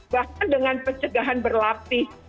bahkan dengan pencegahan berlapis